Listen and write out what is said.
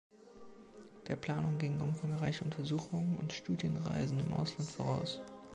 Der Planung gingen umfangreiche Untersuchungen und Studienreisen im Ausland voraus.